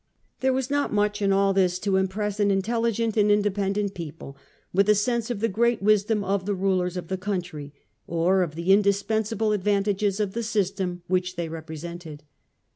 There was not much in all this to impress an intelligent and independent people with a sense of the great wisdom of the rulers of the country, or of the indispensable advantages of the system which they represented.